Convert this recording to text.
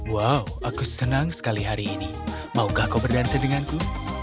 wow aku senang sekali hari ini maukah kau berdansa denganku